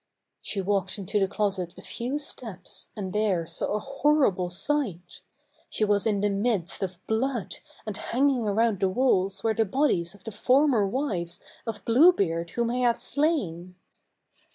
She walked into the closet a few steps, and there saw a horrible sight. She was in the midst of blood, and hanging around the walls were the bodies of the former wives of Blue Beard whom he had slain.